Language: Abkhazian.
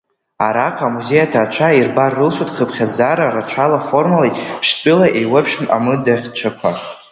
Араҟа амузеи аҭаацәа ирбар рылшоит хыԥхьаӡара рацәала формалеи, ԥштәылеи еиуеиԥшым амыдаӷьцәақәа.